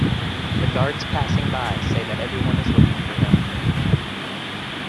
The guards passing by say that everyone is looking for him.